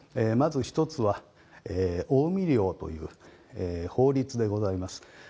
まず１つは、近江令という法律でございます。